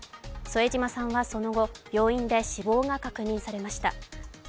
添島さんはその後、病院で死亡が確認されました。